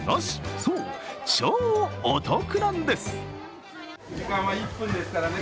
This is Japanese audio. そう、超お得なんです。